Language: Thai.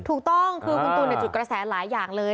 ถูกต้องคือคุณตูนจุดกระแสหลายอย่างเลย